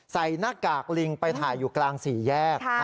ใส่หน้ากากลิงไปถ่ายอยู่กลางสี่แยก